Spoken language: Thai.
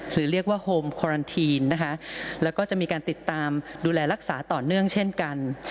หรือเรียกว่าโฮมคอลันทีนนะคะแล้วก็จะมีการติดตามดูแลรักษาต่อเนื่องเช่นกัน